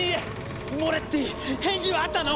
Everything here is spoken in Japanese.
モレッティ返事はあったの？